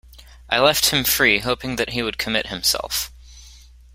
I left him free, hoping that he would commit himself.